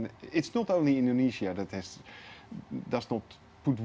bukan hanya indonesia yang membuat